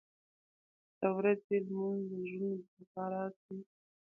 • د ورځې لمونځ د زړونو د صفا راز دی.